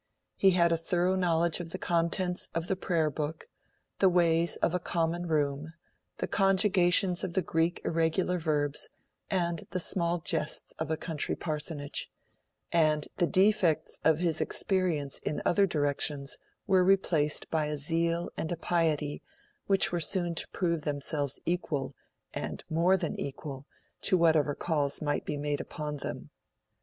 He had a thorough knowledge of the contents of the Prayer book, the ways of a Common Room, the conjugations of the Greek Irregular Verbs, and the small jests of a country parsonage; and the defects of his experience in other directions were replaced by a zeal and a piety which were soon to prove themselves equal, and more than equal, to whatever calls might be made upon them.